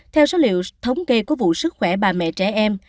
theo số liệu thống kê của vụ sức khỏe bà mẹ trẻ em